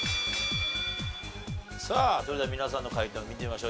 さあそれでは皆さんの解答見てみましょう。